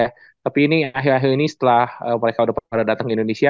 tapi ini akhir akhir ini setelah mereka udah pernah datang ke indonesia